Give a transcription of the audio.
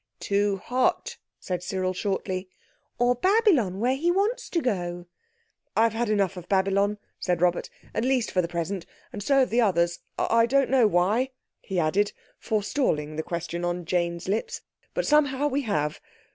"Too hot," said Cyril shortly. "Or Babylon, where he wants to go?" "I've had enough of Babylon," said Robert, "at least for the present. And so have the others. I don't know why," he added, forestalling the question on Jane's lips, "but somehow we have.